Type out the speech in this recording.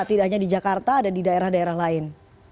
tidak hanya di jakarta ada di daerah daerah lain